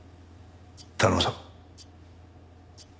頼むぞ。